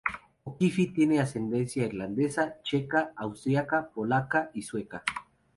O’Keefe tiene ascendencia irlandesa, checa, austríaca, polaca y sueca.